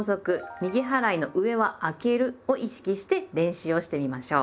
「右払いの上はあける」を意識して練習をしてみましょう。